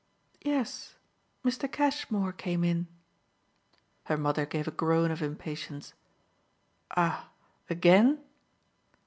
"Yes, Mr. Cashmore came in." Her mother gave a groan of impatience. "Ah AGAIN?"